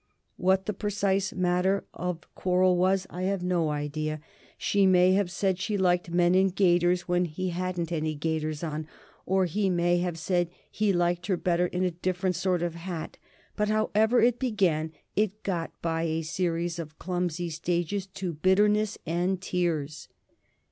What the precise matter of quarrel was I have no idea. She may have said she liked men in gaiters when he hadn't any gaiters on, or he may have said he liked her better in a different sort of hat, but however it began, it got by a series of clumsy stages to bitterness and tears.